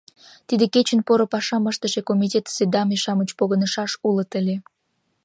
Тиде кечын поро пашам ыштыше комитетысе даме-шамыч погынышаш улыт ыле.